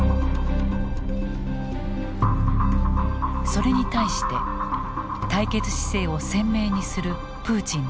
それに対して対決姿勢を鮮明にするプーチン大統領。